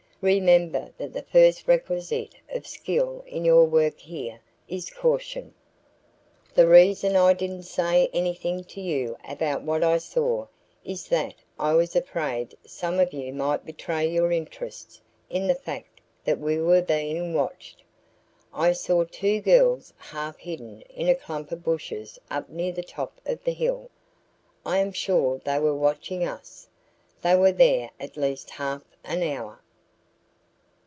"Remember that the first requisite of skill in your work here is caution. The reason I didn't say anything to you about what I saw is that I was afraid some of you might betray your interest in the fact that we were being watched. I saw two girls half hidden in a clump of bushes up near the top of the hill. I am sure they were watching us. They were there at least half an hour."